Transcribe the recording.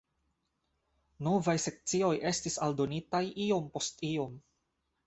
Novaj sekcioj estis aldonitaj iom post iom.